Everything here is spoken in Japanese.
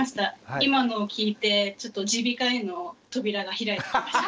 今のを聞いてちょっと耳鼻科への扉が開いてきました。